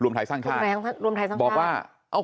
ไทยสร้างชาติแรงรวมไทยสร้างชาติบอกว่า